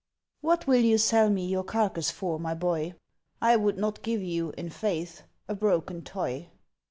"What will you sell me your carcass for, my \)oy ? I would not give you, in faith, a broken toy.